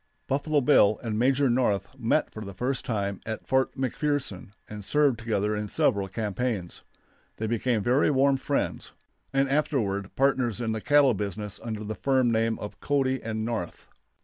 Buffalo Bill and Major North met for the first time at Fort McPherson, and served together in several campaigns. They became very warm friends, and afterward partners in the cattle business under the firm name of Cody & North.